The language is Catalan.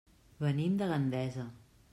Venim de Gandesa.